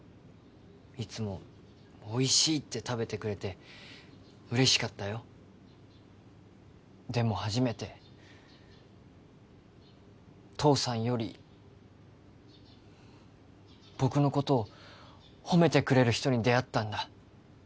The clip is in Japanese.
いつもおいしいって食べてくれて嬉しかったよでも初めて父さんより僕のことを褒めてくれる人に出会ったんだ